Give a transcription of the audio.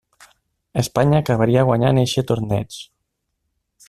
Espanya acabaria guanyant eixe torneig.